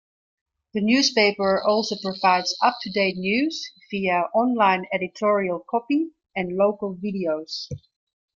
The newspaper also provides up-to-date news via online editorial copy and local videos.